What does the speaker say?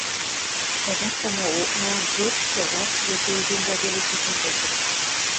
Пыдыртымы окняан пӧртшӹ лач слӧпӧй эдемлӓ веле чучын колтыш.